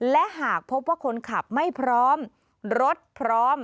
และหากพบว่าคนขับไม่พร้อมรถพร้อม